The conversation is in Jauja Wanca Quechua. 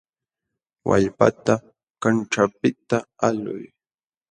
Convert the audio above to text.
Wallpata kanćhanpiqta alquy.